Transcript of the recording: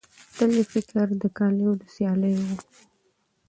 تل یې فکر د کالیو د سیالۍ وو